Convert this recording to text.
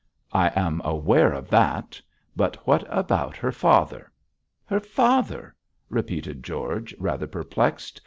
'I am aware of that, but what about her father?' 'Her father!' repeated George, rather perplexed.